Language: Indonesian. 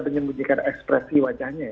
menyembunyikan ekspresi wajahnya